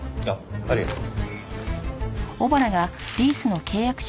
ありがとう。